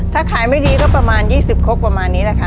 ถ้าขายไม่ดีก็ประมาณ๒๐คกประมาณนี้แหละค่ะ